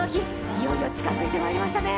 いよいよ近づいてきましたね。